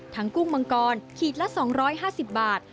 กุ้งมังกรขีดละ๒๕๐บาท